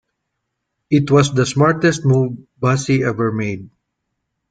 It was the smartest move Basie ever made.